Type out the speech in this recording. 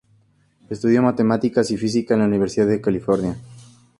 Estudió matemáticas y física en la Universidad de California.